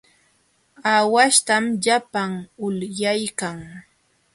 Aawahtam llapan ulyaykan.